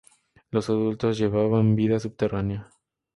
Los adultos llevan vida subterránea.